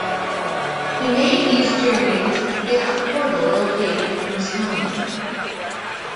He made these journeys via a portal located in his home.